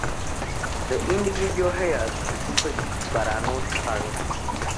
The individual hairs should twist, but are not curly.